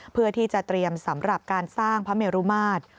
เพื่อที่จะเตรียมสำหรับการสร้างพระเมรุมาตร